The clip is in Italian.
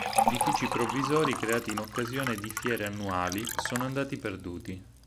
Edifici provvisori, creati in occasione di fiere annuali, sono andati perduti.